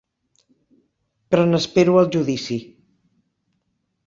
Però n'espero el judici.